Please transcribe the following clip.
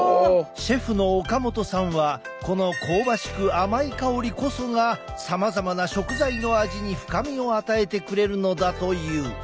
シェフの岡元さんはこの香ばしく甘い香りこそがさまざまな食材の味に深みを与えてくれるのだという。